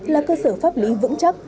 là cơ sở pháp lý vững chắc